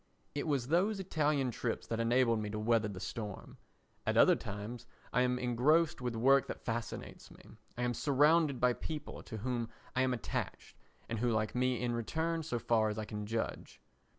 It was those Italian trips that enabled me to weather the storm. At other times I am engrossed with work that fascinates me. I am surrounded by people to whom I am attached and who like me in return so far as I can judge.